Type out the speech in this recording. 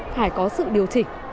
phải có sự điều chỉnh